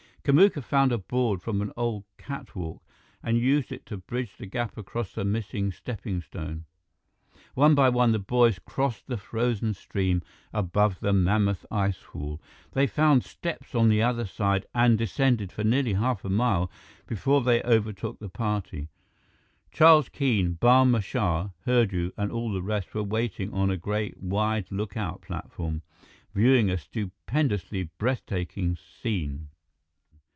Kamuka found a board from an old catwalk and used it to bridge the gap across the missing steppingstone. One by one, the boys crossed the frozen stream above the mammoth icefall. They found steps on the other side and descended for nearly half a mile before they overtook the party. Charles Keene, Barma Shah, Hurdu, and all the rest were waiting on a great, wide lookout platform, viewing a stupendously breathtaking scene.